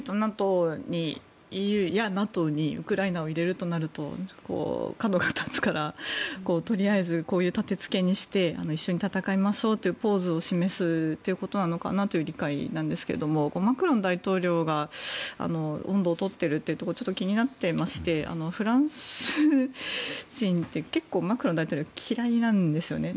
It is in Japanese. ＥＵやＮＡＴＯにウクライナを入れるとなると角が立つからとりあえずこういう建付けにして一緒に戦いましょうというポーズを示すということなのかなという理解ですが、マクロン大統領が音頭を取っているというところがちょっと気になってましてフランス人って結構、マクロン大統領嫌いなんですよね。